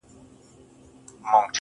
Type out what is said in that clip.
په خدای سړی دزندګی څخه ښه سم اوباسی